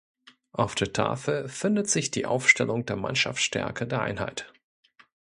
Auf der Tafel findet sich die Aufstellung der Mannschaftsstärke der Einheit.